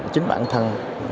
chính bản thân